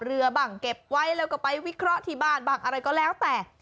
เรือบ้างเก็บไว้แล้วก็ไปวิเคราะห์ที่บ้านบ้างอะไรก็แล้วแต่